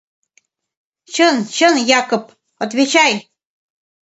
— Чын, чын, Якып, отвечай!